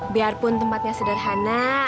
biarpun tempatnya sederhana